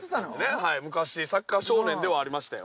はい昔サッカー少年ではありましたよ。